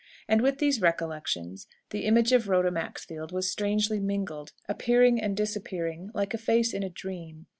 And with these recollections the image of Rhoda Maxfield was strangely mingled, appearing and disappearing, like a face in a dream.